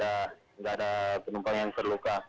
tidak ada penumpang yang terluka